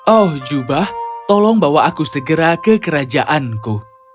oh jubah tolong bawa aku segera ke kerajaanku